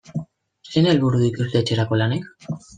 Zein helburu dituzte etxerako lanek?